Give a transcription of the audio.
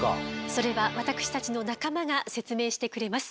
それは私たちの仲間が説明してくれます。